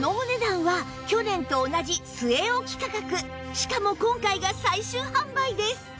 しかも今回が最終販売です！